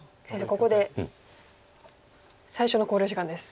ここで最初の考慮時間です。